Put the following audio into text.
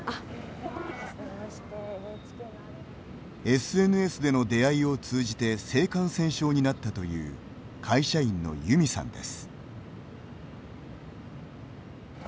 ＳＮＳでの出会いを通じて性感染症になったという会社員のユミさんです。